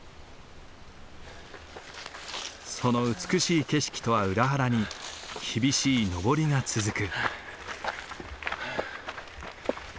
その美しい景色とは裏腹に厳しい登りが続く。